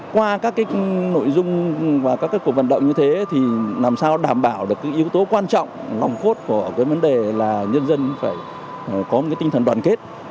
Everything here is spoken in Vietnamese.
qua các nội dung và các cuộc vận động như thế thì làm sao đảm bảo được yếu tố quan trọng lòng khốt của vấn đề là nhân dân phải có tinh thần đoàn kết